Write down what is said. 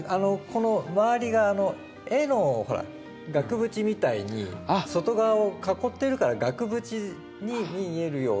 このまわりが絵のほら額縁みたいに外側を囲ってるから額縁に見えるよう。